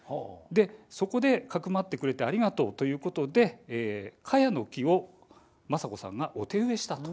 そこで、かくまってくれてありがとうということでかやの木を政子さんがお手植えしたと。